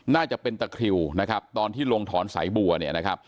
น่าจะเป็นตะคริวนะครับตอนที่ลงถอนสายบัวเนี่ยนะครับ